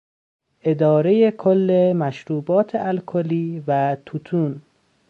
ادارهی کل مشروبات الکلی و توتون